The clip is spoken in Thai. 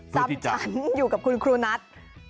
ซ้ำฉันอยู่กับคุณครูนัท